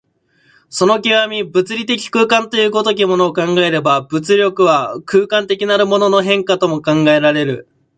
その極、物理的空間という如きものを考えれば、物力は空間的なるものの変化とも考えられる。